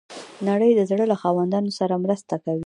نړۍ د زړه له خاوندانو سره مرسته کوي.